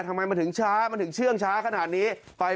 ทำไมมันถึงช้ามันถึงเชื่องช้าขนาดนี้